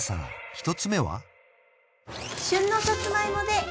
１つ目は？